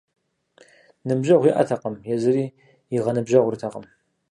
Ныбжьэгъу иӀэтэкъым, езыри ягъэныбжьэгъуртэкъым.